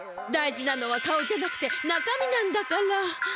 大事なのは顔じゃなくて中身なんだから。